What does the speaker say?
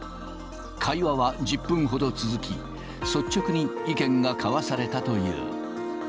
会話は１０分ほど続き、率直に意見が交わされたという。